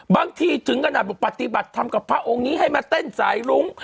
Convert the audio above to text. บางทีถึงขนาดปฏิบัติทำกับพระองค์นี้ให้มาเต้นสายรุ้ง